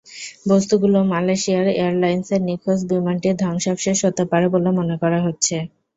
বস্তুগুলো মালয়েশিয়ার এয়ারলাইনসের নিখোঁজ বিমানটির ধ্বংসাবশেষ হতে পারে বলে মনে করা হচ্ছে।